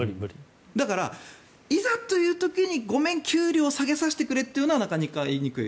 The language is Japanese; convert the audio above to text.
だから、いざという時にごめん、給料下げさせてくれというのは言いにくい。